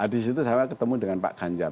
di situ saya ketemu dengan pak ganjar